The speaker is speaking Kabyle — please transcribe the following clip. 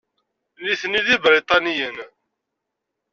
Nitni d Ibriṭaniyen.